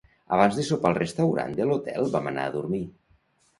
Abans de sopar al restaurant de l'hotel vam anar a dormir.